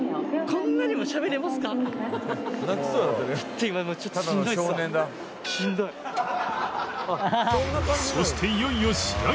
そしていよいよ試合開始！